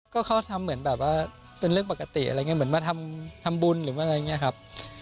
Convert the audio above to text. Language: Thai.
ก็เขาทำเหมือนแบบว่าเป็นเรื่องปกติอะไรอย่างนี้เหมือนมาทำบุญหรือว่าอะไรอย่างนี้ครับ